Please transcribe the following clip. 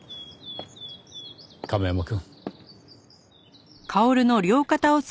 亀山くん。